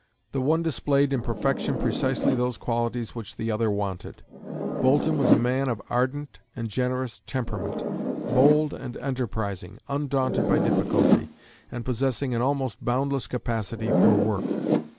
The one displayed in perfection precisely those qualities which the other wanted. Boulton was a man of ardent and generous temperament, bold and enterprising, undaunted by difficulty, and possessing an almost boundless capacity for work.